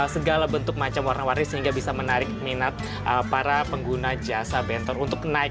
segala bentuk macam warna warni sehingga bisa menarik minat para pengguna jasa bentor untuk naik